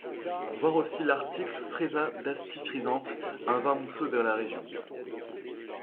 Voir aussi l'article Freisa d'Asti frizzante, un vin mousseux de la région.